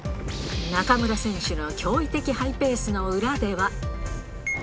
中村選手の驚異的ハイペースの裏では。